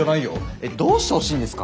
えっどうしてほしいんですか？